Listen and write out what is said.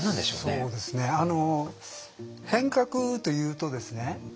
そうですね変革というとですね